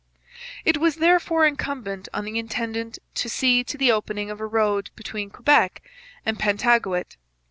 It was therefore incumbent on the intendant to see to the opening of a road between Quebec and Pentagouet.